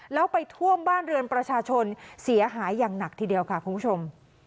แล้วไปท่วมบ้านเรือนประชาชนเสียหายอย่างหนักทีเดียวค่ะคุณผู้ชม